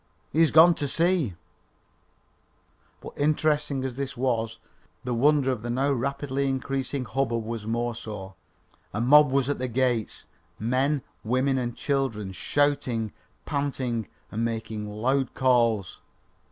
He has gone to see " But interesting as this was, the wonder of the now rapidly increasing hubbub was more so. A mob was at the gates! Men, women and children shouting, panting and making loud calls.